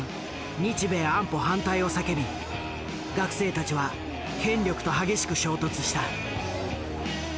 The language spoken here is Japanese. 日米安保反対を叫び学生たちは権力と激しく衝突した。